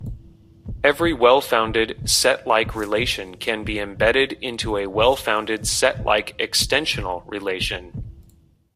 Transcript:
Every well-founded set-like relation can be embedded into a well-founded set-like extensional relation.